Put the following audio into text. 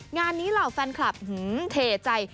งานนี้เหล่าแฟนคลับเทใจ